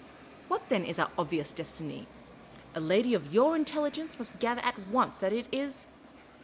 What then is our obvious destiny ? A lady of your intelligence must gather at once that it is